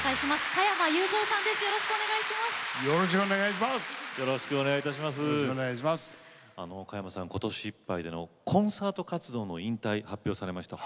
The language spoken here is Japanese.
加山さん、今年いっぱいでのコンサート活動の引退発表されました。